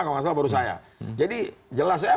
kalau gak salah baru saya jadi jelas